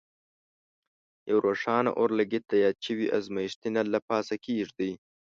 یو روښانه اورلګیت د یاد شوي ازمیښتي نل له پاسه کیږدئ.